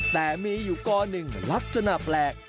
แต่มีอยู่กรหนึ่งลักษณะแปลก